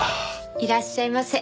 いらっしゃいませ。